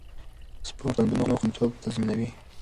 سپورت د بندونو خونديتوب تضمینوي.